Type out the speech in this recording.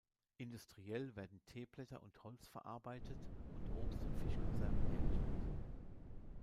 Industriell werden Teeblätter und Holz verarbeitet und Obst- und Fischkonserven hergestellt.